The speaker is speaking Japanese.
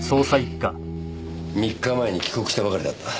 ３日前に帰国したばかりだった。